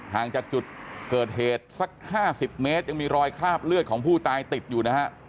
ห่างจากจุดเกิดเหตุสัก๕๐เมตรยังมีรอยคราบเลือดของผู้ตายติดอยู่นะฮะ